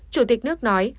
chủ tịch nước nói